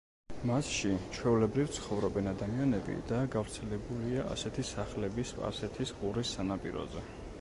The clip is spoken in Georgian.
მასში, ჩვეულებრივ ცხოვრობენ ადამიანები და გავრცელებულია ასეთი სახლები სპარსეთის ყურის სანაპიროზე.